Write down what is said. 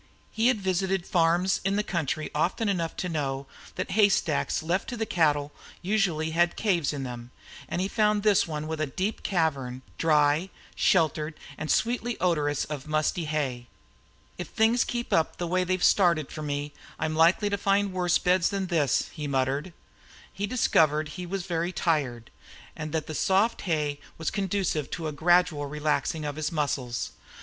He had visited farms in the country often enough to know that haystacks left to the cattle usually had caves in them; and he found this one with a deep cavern, dry, sheltered, and sweetly odorous of musty hay. "If things keep up the way they've started for me I'm likely to find worse beds than this," he muttered. He discovered he was very tired, and that the soft hay was conducive to a gradual relaxing of his muscles.